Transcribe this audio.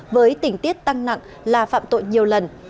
với tỉnh tiết tăng nặng là phạm tội nhiều lần